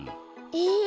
え！